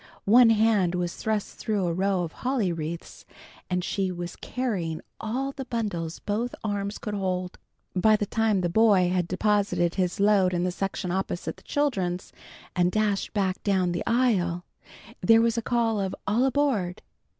One hand was thrust through a row of holly wreaths, and she was carrying all the bundles both arms could hold. By the time the boy had deposited his load in the section opposite the children's, and dashed back down the aisle, there was a call of "All aboard!"